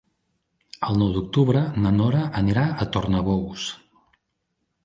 El nou d'octubre na Nora anirà a Tornabous.